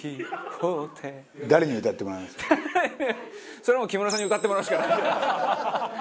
それはもう木村さんに歌ってもらうしか。